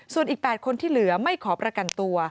ส่วนอีก๘คนที่เหลือไม่ขอประกันตัว